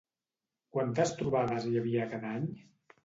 Quantes trobades hi havia cada any?